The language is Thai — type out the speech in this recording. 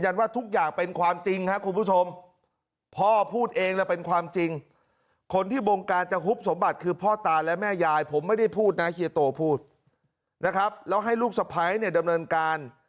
นะครับแล้วให้ลูกสะพ้ายเนี่ยดำเนินการ